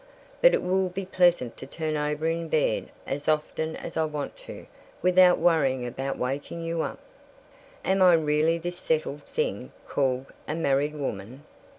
But it will be pleasant to turn over in bed as often as I want to, without worrying about waking you up. "Am I really this settled thing called a 'married woman'?